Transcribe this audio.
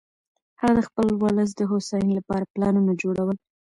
هغه د خپل ولس د هوساینې لپاره پلانونه جوړول.